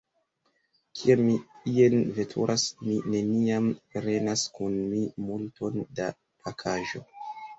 Kiam mi ien veturas, mi neniam prenas kun mi multon da pakaĵo.